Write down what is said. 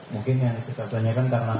mungkin yang kita tanyakan karena